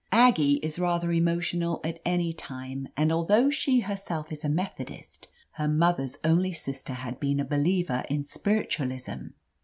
Aggie j\ is rather emotional at any time, and al though she herself is a Methodist, her mother's only sister had been a believer in Spiritualism.